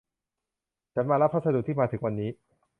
ฉันมารับพัสดุที่มาถึงวันนี้